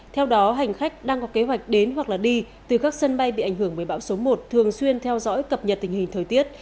theo đó hành khách đang có kế hoạch đến hoặc đi từ các sân bay bị ảnh hưởng bởi bão số một thường xuyên theo dõi cập nhật tình hình thời tiết